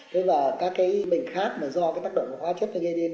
thế là các cái bệnh khác mà do cái tác động của hóa chất này gây đến